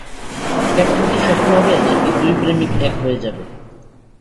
Captain কি সফল হবে নাকি দুই প্রেমিক এক হয়ে যাবে?